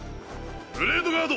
ブレードガード